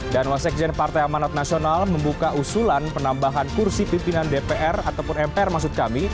dan wasekjen partai amanat nasional membuka usulan penambahan kursi pimpinan dpr ataupun mpr maksud kami